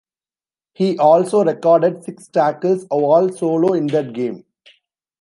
He also recorded six tackles, all solo, in that game.